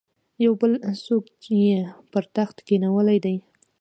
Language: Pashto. یو بل څوک یې پر تخت کښېنولی دی.